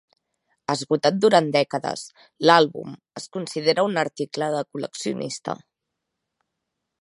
Esgotat durant dècades, l'àlbum es considera un article de col·leccionista.